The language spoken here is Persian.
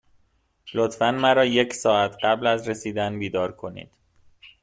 لطفا مرا یک ساعت قبل از رسیدن بیدار کنید.